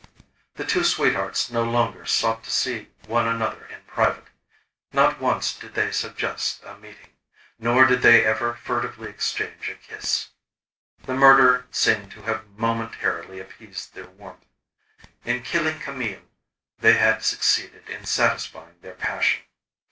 The two sweethearts no longer sought to see one another in private. Not once did they suggest a meeting, nor did they ever furtively exchange a kiss. The murder seemed to have momentarily appeased their warmth. In killing Camille, they had succeeded in satisfying their passion.